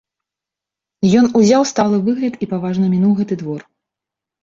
Ён узяў сталы выгляд і паважна мінуў гэты двор.